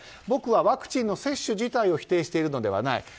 僕はワクチンの接種自体を否定しているのではない。